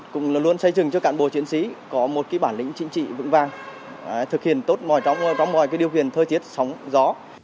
cũng luôn xây dựng cho cán bộ chiến sĩ có một bản lĩnh chính trị vững vàng thực hiện tốt mọi trong mọi điều kiện thời tiết sóng gió